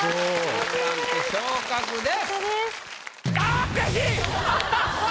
１ランク昇格です。